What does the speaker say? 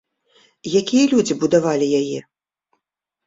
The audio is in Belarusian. Якія людзі будавалі яе?